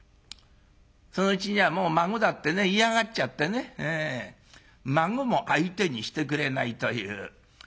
そのうちにはもう孫だってね嫌がっちゃってね孫も相手にしてくれないという。